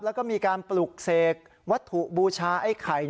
แล้วก็มีการปลุกเสกวัตถุบูชาไอ้ไข่